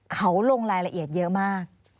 เขาลงรายละเอียดเยอะมาก